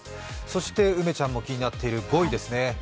そして梅ちゃんも気になっている５位ですね。